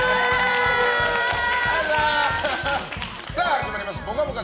始まりました「ぽかぽか」